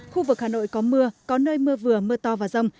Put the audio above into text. khu vực hà nội có mưa có nơi mưa vừa mưa to và rông